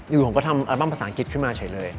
อยู่ผมก็ทำอัลบั้มภาษาอังกฤษขึ้นมาเฉยเลย